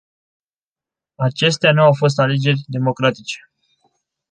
Acestea nu au fost alegeri democratice.